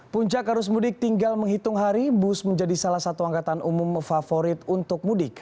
puncak arus mudik tinggal menghitung hari bus menjadi salah satu angkatan umum favorit untuk mudik